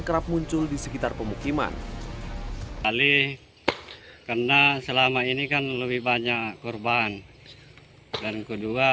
kerap muncul di sekitar pemukiman ali karena selama ini kan lebih banyak korban dan kedua